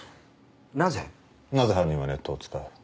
なぜ犯人はネットを使う？